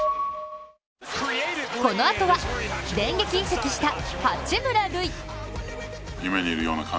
このあとは、電撃移籍した八村塁。